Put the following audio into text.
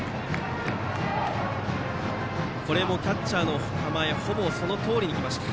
これもキャッチャーの構えほぼそのとおりに行きました。